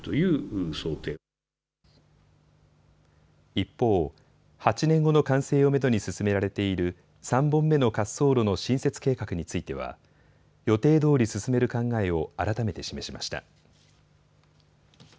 一方、８年後の完成をめどに進められている３本目の滑走路の新設計画については予定どおり進める考えを改めて示しました。